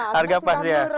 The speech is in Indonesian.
harga pas ya